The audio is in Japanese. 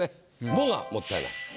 「も」がもったいない。